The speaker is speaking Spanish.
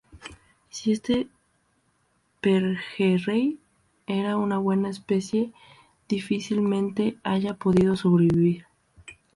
Si este pejerrey era una buena especie, difícilmente haya podido sobrevivir.